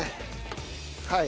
はい。